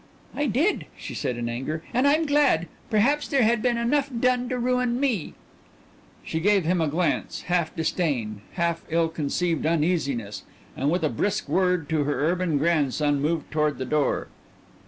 "I did," she said in anger, "and I'm glad. Perhaps there had been enough done to ruin me." She gave him a glance, half disdain, half ill concealed uneasiness, and with a brisk word to her urban grandson moved toward the door.